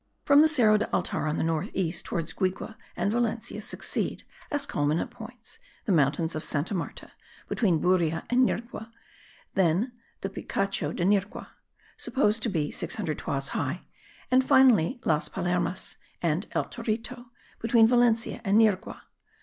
From the Cerro del Altar on the north east towards Guigue and Valencia, succeed, as culminant points, the mountains of Santa Maria (between Buria and Nirgua); then the Picacho de Nirgua, supposed to be 600 toises high; and finally Las Palomeras and El Torito (between Valencia and Nirgua).